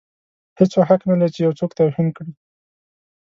هیڅوک حق نه لري چې یو څوک توهین کړي.